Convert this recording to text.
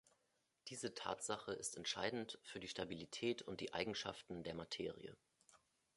Diese Tatsache ist entscheidend für die Stabilität und die Eigenschaften der Materie.